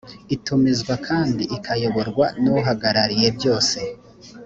itumizwa kandi ikayoborwa n uhagarariyebyose